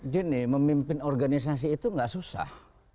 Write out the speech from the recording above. juni memimpin organisasi itu gak susah